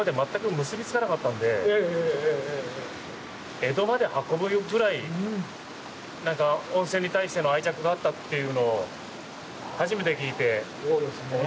江戸まで運ぶぐらい何か温泉に対しての愛着があったというのを初めて聞いて驚きましたね。